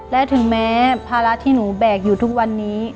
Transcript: และถึงแม้ภาระที่หนูแบกอยู่ทุกวันนี้